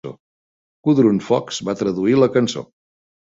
Gudrun Fox va traduir la cançó.